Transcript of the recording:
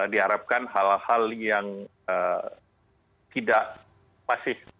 diharapkan hal hal yang tidak pasif